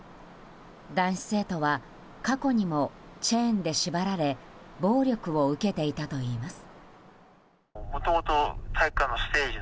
男子生徒は、過去にもチェーンで縛られ暴力を受けていたといいます。